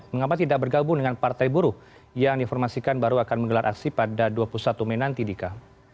mengapa tidak bergabung dengan partai buruh yang diinformasikan baru akan menggelar aksi pada dua puluh satu mei nanti dika